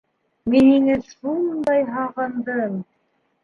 Мин һине шундай һағындым!